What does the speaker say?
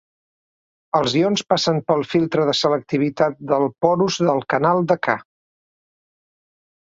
Els ions passen pel filtre de selectivitat del porus del canal de K.